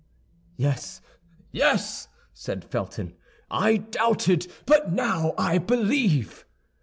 "Yes, yes!" said Felton, "I doubted, but now I believe."